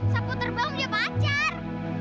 sapu terbang udah pacar